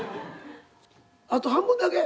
あと半分だけ？